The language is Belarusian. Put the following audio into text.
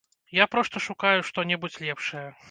Я проста шукаю што-небудзь лепшае.